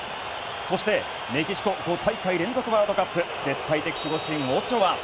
そして、メキシコ５大会連続ワールドカップ絶対的守護神、オチョア。